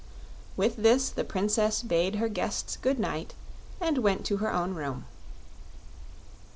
With this the Princess bade her guests good night and went to her own room. 21.